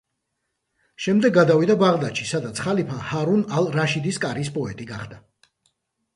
შემდეგ გადავიდა ბაღდადში, სადაც ხალიფა ჰარუნ ალ-რაშიდის კარის პოეტი გახდა.